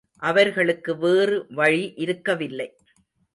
அவர்களுக்கு வேறு வழி இருக்கவில்லை.